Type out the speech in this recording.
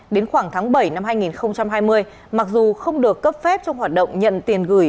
đến khoảng tháng bảy năm hai nghìn hai mươi mặc dù không được cấp phép trong hoạt động nhận tiền gửi